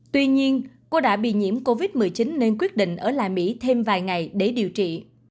tuy nhiên cô đã bị nhiễm covid một mươi chín nên quyết định ở lại mỹ thêm vài ngày để điều trị